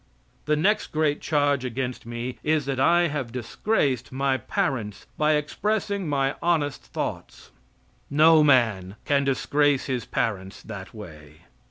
The next great charge against me is that I have disgraced my parents by expressing my honest thoughts. No man can disgrace his parents that way.